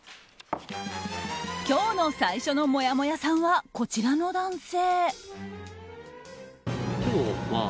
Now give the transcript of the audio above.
今日最初のもやもやさんはこちらの男性。